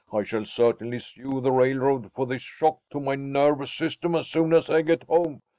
I shall certainly sue the railroad for this shock to my nervous system as soon as I get home.